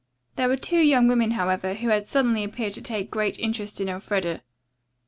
There were two young women, however, who had suddenly appeared to take a great interest in Elfreda.